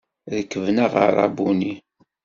Rekben aɣerrabu-nni.